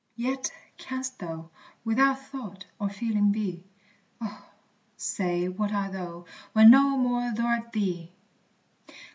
Yet canst thou, without thought or feeling be? O, say what art thou, when no more thou'rt thee?